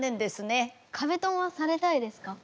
壁ドンはされたいですか？